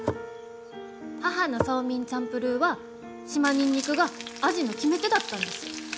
母のソーミンチャンプルーは島ニンニクが味の決め手だったんです。